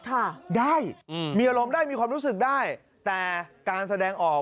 ค่ะได้อืมมีอารมณ์ได้มีความรู้สึกได้แต่การแสดงออก